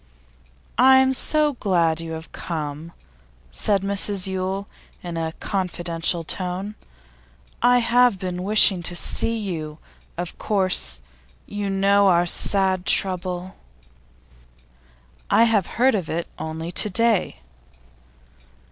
'I'm so glad you have come,' said Mrs Yule, in a confidential tone. 'I have been wishing to see you. Of course, you know of our sad trouble?' 'I have heard of it only to day.